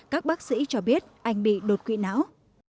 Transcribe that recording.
các bác sĩ cho biết anh bị đột quỵ não